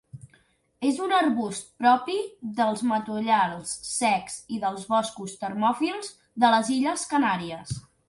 És un arbust propi dels matollars secs i dels boscos termòfils de les Illes Canàries.